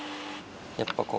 やっぱこう。